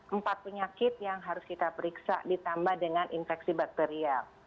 empat penyakit yang harus kita periksa ditambah dengan infeksi bakterial